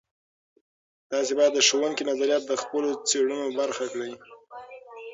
تاسې باید د ښوونکو نظریات د خپلو څیړنو برخه کړئ.